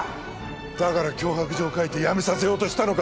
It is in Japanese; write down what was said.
だから脅迫状を書いてやめさせようとしたのか？